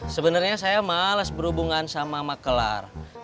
sebenernya saya males berhubungan sama mak klar